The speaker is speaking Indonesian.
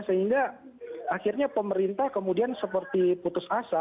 sehingga akhirnya pemerintah kemudian seperti putus asa